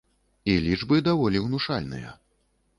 І лічбы даволі ўнушальныя.